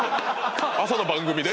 朝の番組で？